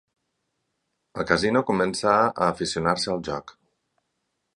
Al casino, començà a aficionar-se al joc.